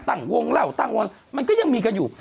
ตั้งวงแล้วมันก็ยังมีกันอยู่